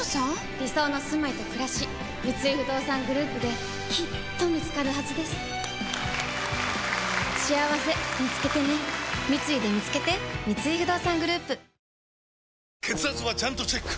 理想のすまいとくらし三井不動産グループできっと見つかるはずですしあわせみつけてね三井でみつけて血圧はちゃんとチェック！